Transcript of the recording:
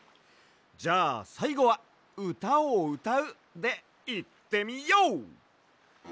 じゃあさいごは「うたをうたう」でいってみＹＯ！